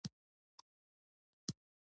اوړه د افطار لپاره پکار وي